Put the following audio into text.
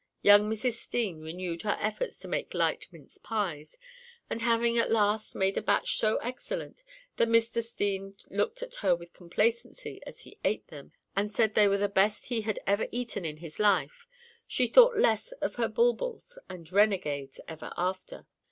Young Mrs. Steene renewed her efforts to make light mince pies, and having at last made a batch so excellent that Mr. Steene looked at her with complacency as he ate them, and said they were the best he had ever eaten in his life, she thought less of bulbuls and renegades ever after.